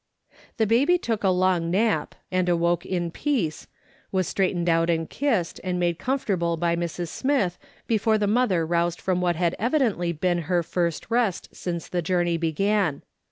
The baby took a long nap, and awoke in i)eace, was straightened out and kissed, and made com fortable by Mrs. Smith before the mother roused from what had evidently been her first rest since the journey began.